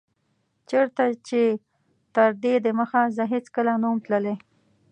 چيرته چي تر دي دمخه زه هيڅکله نه وم تللی